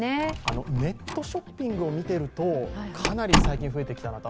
ネットショッピングを見ていると、かなり最近増えてきたなと。